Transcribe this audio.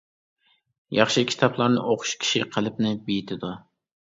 ياخشى كىتابلارنى ئوقۇش كىشى قەلبىنى بېيىتىدۇ.